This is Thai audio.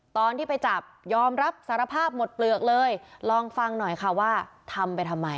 ตอนที่ไปจับยอมรับสารภาพหมดเปลือกเลยลองฟังหน่อยค่ะว่าทำไปทำไม